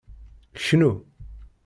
Knnu!